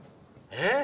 えっ？